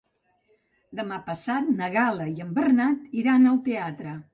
Demà passat na Gal·la i en Bernat iran al teatre.